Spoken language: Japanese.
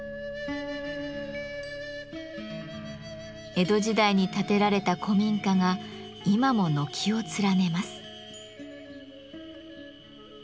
江戸時代に建てられた古民家が今も軒を連ねます。